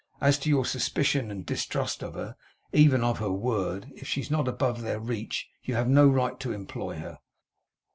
As to your suspicion and distrust of her; even of her word; if she is not above their reach, you have no right to employ her.